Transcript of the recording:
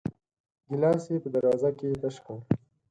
ګيلاس يې په دروازه کې تش کړ.